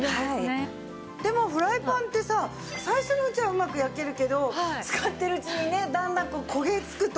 でもフライパンってさ最初のうちはうまく焼けるけど使ってるうちにねだんだん焦げつくというか。